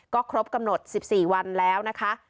ก็ครบกำหนด๑๔วันแล้วนะคะ